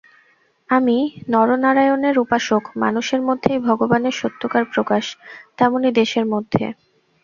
আমি নরনারায়ণের উপাসক– মানুষের মধ্যেই ভগবানের সত্যকার প্রকাশ, তেমনি দেশের মধ্যে।